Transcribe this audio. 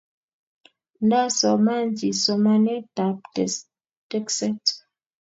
Nda soman chii somanet ab tekset